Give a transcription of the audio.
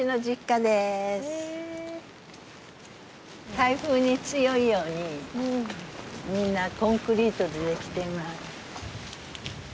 台風に強いようにみんなコンクリートでできています。